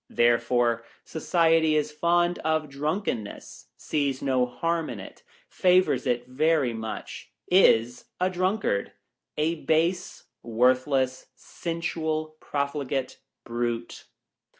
Therefore, Society is fond of drunken ness, sees no harm in it, favors it very much, is a drunkard — a base, worthless, sensual, pro fligate brute.